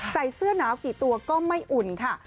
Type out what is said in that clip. ใส่เสื้อหนาวกี่ตัวก็ไม่อุ่นค่ะ